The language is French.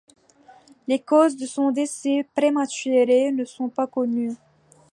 Les causes de son décès prématuré ne sont pas connues.